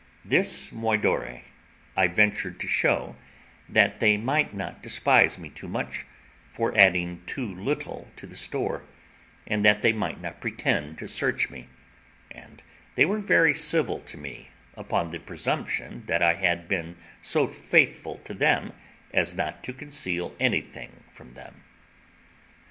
This moidore I ventured to show, that they might not despise me too much for adding too little to the store, and that they might not pretend to search me; and they were very civil to me, upon the presumption that I had been so faithful to them as not to conceal anything from them.